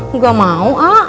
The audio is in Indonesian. nggak mau a